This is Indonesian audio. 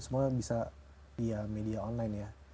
semuanya bisa via media online ya